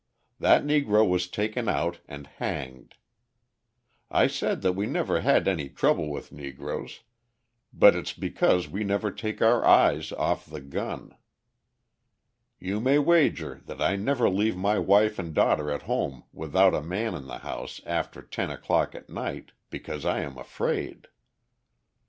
That Negro was taken out and hanged. I said that we never had any trouble with Negroes, but it's because we never take our eyes off the gun. You may wager that I never leave my wife and daughter at home without a man in the house after ten o'clock at night because I am afraid.